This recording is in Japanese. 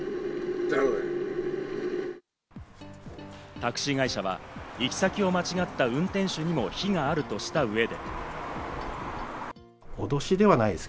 タクシー会社は行き先を間違った運転手にも非があるとした上で。